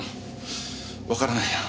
わからないな。